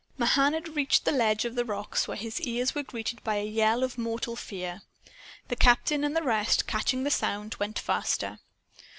Mahan had reached the edge of the rocks when his ears were greeted by a yell of mortal fear. The captain and the rest, catching the sound, went faster.